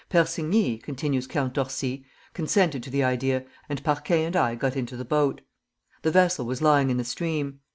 "Persigny," continues Count Orsi, "consented to the idea, and Parquin and I got into the boat. The vessel was lying in the stream.